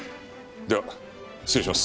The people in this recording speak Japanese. では失礼します。